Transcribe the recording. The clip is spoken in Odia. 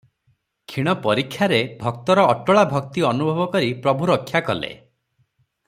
କ୍ଷୀଣ ପରୀକ୍ଷାରେ ଭକ୍ତର ଅଟଳାଭକ୍ତି ଅନୁଭବ କରି ପ୍ରଭୁ ରକ୍ଷା କଲେ ।